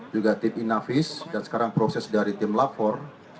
juga tim inavis dan sekarang proses dari tim lapor